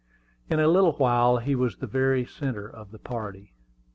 In a little while he was the very centre of the party.